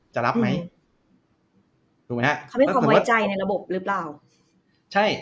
ใช่